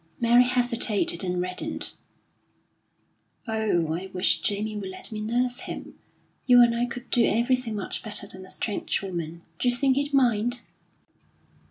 Mary hesitated and reddened: "Oh, I wish Jamie would let me nurse him! You and I could do everything much better than a strange woman. D'you think he'd mind?"